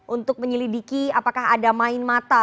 untuk menyelidiki apakah ada main mata